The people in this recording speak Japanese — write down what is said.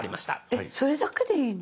えっそれだけでいいの？